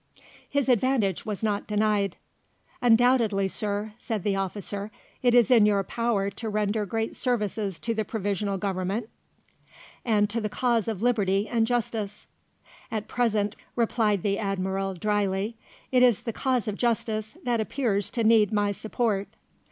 His advantage was not denied. "Undoubtedly, Sir," said the officer, "it is in your power to render great services to the Provisional Government and to the cause of Liberty and Justice." "At present," replied the Admiral dryly, "it is the cause of Justice that appears to need my support."